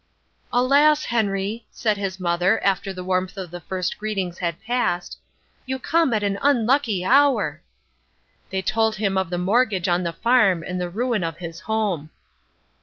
"Alas, Henry," said the mother after the warmth of the first greetings had passed, "you come at an unlucky hour." They told him of the mortgage on the farm and the ruin of his home.